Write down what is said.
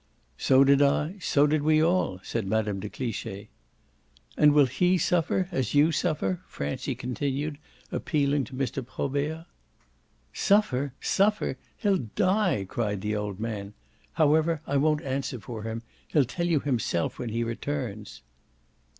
"So did I so did we all!" said Mme. de Cliche. "And will he suffer as you suffer?" Francie continued, appealing to Mr. Probert. "Suffer, suffer? He'll die!" cried the old man. "However, I won't answer for him; he'll tell you himself, when he returns."